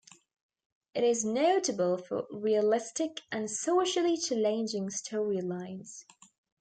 It is notable for realistic and socially challenging storylines.